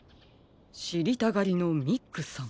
しりたがりのミックさん。